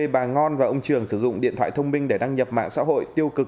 bà ngon và ông trường sử dụng điện thoại thông minh để đăng nhập mạng xã hội tiêu cực